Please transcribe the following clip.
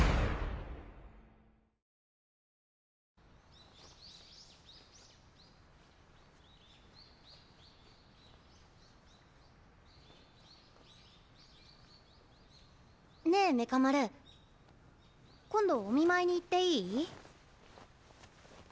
・ピピピッねえメカ丸今度お見舞いに行っていい？